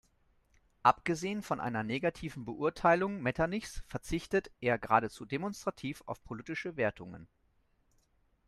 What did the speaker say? Abgesehen von einer negativen Beurteilung Metternichs verzichtet er geradezu demonstrativ auf politische Wertungen.